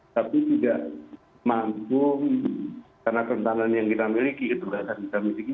tapi tidak mampu karena kerentanan yang kita miliki ketugasan kita miliki